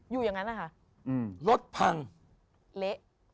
อยู่อย่างนั้นนะค่ะ